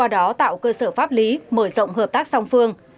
một cơ sở pháp lý mở rộng hợp tác song phương